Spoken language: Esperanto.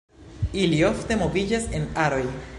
Ili ofte moviĝas en aroj.